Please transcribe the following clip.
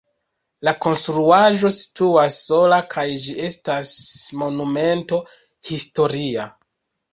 La konstruaĵo situas sola kaj ĝi estas Monumento historia.